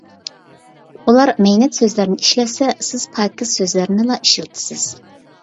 ئۇلار مەينەت سۆزلەرنى ئىشلەتسە، سىز پاكىز سۆزلەرنىلا ئىشلىتىسىز.